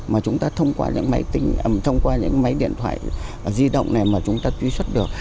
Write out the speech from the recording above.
mà chúng ta thông qua những máy điện thoại di động này mà chúng ta truy xuất được